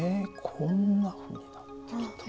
こんなふうになってきた。